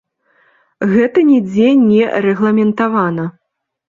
Гэта нідзе не рэгламентавана.